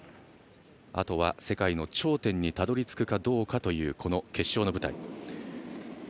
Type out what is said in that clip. あとは、世界の頂点にたどり着くかというこの決勝の舞台。